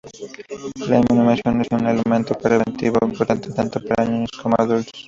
La inmunización es una elemento preventivo importante, tanto para niños como adultos.